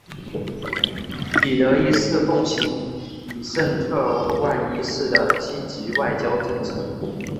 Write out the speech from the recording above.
彼得一世奉行伊什特万一世的积极外交政策。